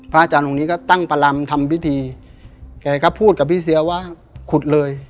อาจารย์องค์นี้ก็ตั้งประลำทำพิธีแกก็พูดกับพี่เสียว่าขุดเลย